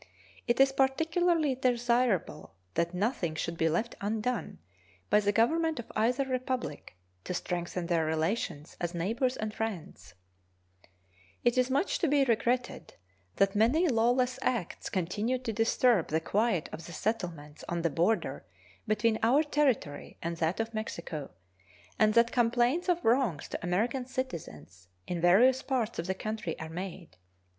It is particularly desirable that nothing should be left undone by the Government of either Republic to strengthen their relations as neighbors and friends. It is much to be regretted that many lawless acts continue to disturb the quiet of the settlements on the border between our territory and that of Mexico, and that complaints of wrongs to American citizens in various parts of the country are made.